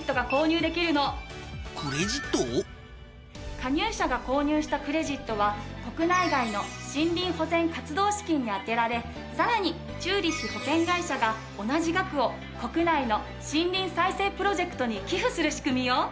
加入者が購入したクレジットは国内外の森林保全活動資金に充てられさらにチューリッヒ保険会社が同じ額を国内の森林再生プロジェクトに寄付する仕組みよ。